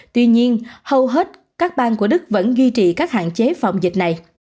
tuy nhiên hầu hết các bang của đức vẫn duy trì các hạn chế phòng dịch này